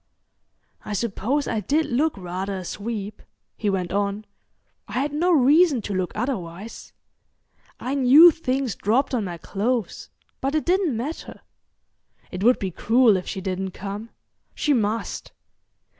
"I suppose I did look rather a sweep," he went on. "I had no reason to look otherwise. I knew things dropped on my clothes, but it didn't matter. It would be cruel if she didn't come. She must.